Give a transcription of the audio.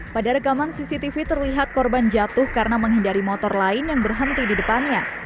pada rekaman cctv terlihat korban jatuh karena menghindari motor lain yang berhenti di depannya